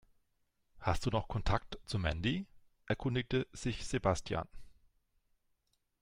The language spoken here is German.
"Hast du noch Kontakt zu Mandy?", erkundigte sich Sebastian.